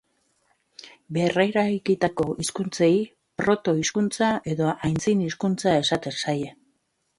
Berreraikitako hizkuntzei proto-hizkuntza edo aitzin-hizkuntza esaten zaie.